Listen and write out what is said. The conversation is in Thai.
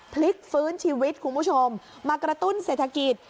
พลิกฟื้นชีวิตคุณผู้ชมมากระตุ้นเศรษฐกิจ